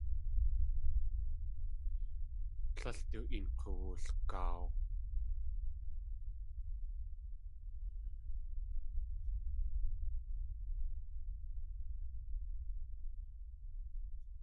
Tlél du een k̲uwulgaaw.